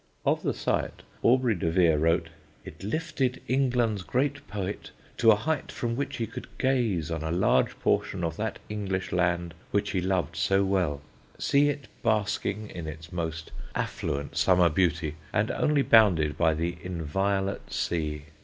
Of the site Aubrey de Vere wrote: "It lifted England's great poet to a height from which he could gaze on a large portion of that English land which he loved so well, see it basking in its most affluent summer beauty, and only bounded by 'the inviolate sea.'